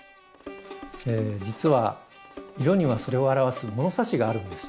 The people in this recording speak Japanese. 実は色にはそれを表す物差しがあるんです。